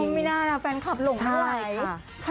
ไม่น่าฟันกับหลงใหม่